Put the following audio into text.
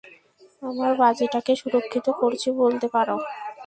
আমার বাজিটাকে সুরক্ষিত করছি, বলতে পারো।